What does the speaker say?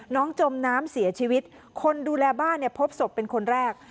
จมน้ำเสียชีวิตคนดูแลบ้านเนี่ยพบศพเป็นคนแรก